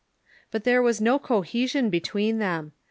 But there Avas no cohesion between them.